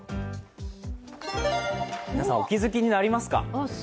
皆さん、お気づきになりますか？